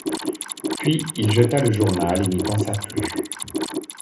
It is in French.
Puis il jeta le journal, et n'y pensa plus.